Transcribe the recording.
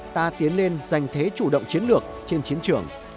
ta tiến lên giành thế chủ động chiến lược trên chiến trường